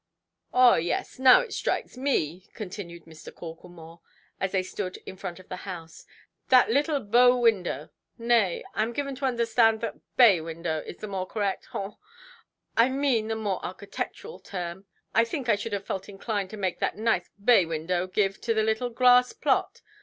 "Ah, yes, now it strikes me", continued Mr. Corklemore, as they stood in front of the house, "that little bow–window—nay, I am given to understand, that bay–window is the more correct—haw! I mean the more architectural term—I think I should have felt inclined to make that nice bay–window give to the little grass–plot.